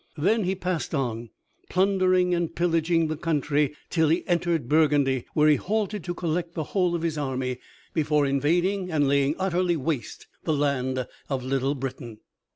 Then he passed on, plundering and pillaging the country, till he entered Burgundy, where he halted to collect the whole of his army before invading and laying utterly waste the land of Little Britain.